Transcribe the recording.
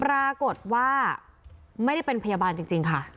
ปรากฏว่าไม่ได้เป็นพยาบาลจริงค่ะ